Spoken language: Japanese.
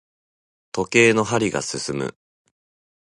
時計の針が進む。